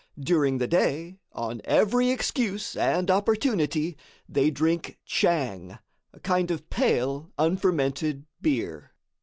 During the day, on every excuse and opportunity, they drink "tchang," a kind of pale, unfermented beer.